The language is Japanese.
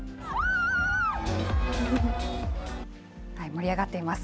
盛り上がっています。